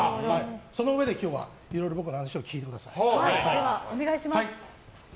そのうえで、今日は僕の話を聞いてください。